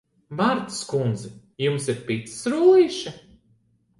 Martas kundze, jums ir picas rullīši?